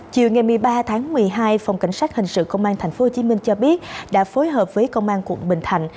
chiều ngày một mươi ba tháng một mươi hai phòng cảnh sát hình sự công an tp hcm cho biết đã phối hợp với công an quận bình thạnh